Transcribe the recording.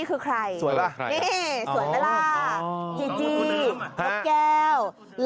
คุณช่วยชั่วโหล